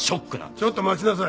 ちょっと待ちなさい。